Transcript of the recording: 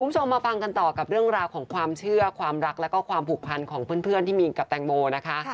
คุณผู้ชมมาฟังกันต่อกับเรื่องราวของความเชื่อความรักแล้วก็ความผูกพันของเพื่อนที่มีกับแตงโมนะคะ